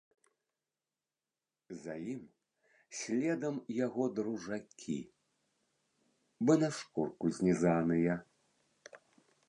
За ім следам яго дружакі, бы на шнурку знізаныя.